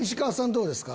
どうですか？